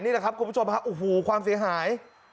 นี่แหละครับคุณผู้ชมฮะโอ้โหความเสียหาย